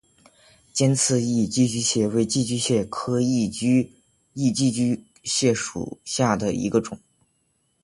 尖刺异寄居蟹为寄居蟹科异寄居蟹属下的一个种。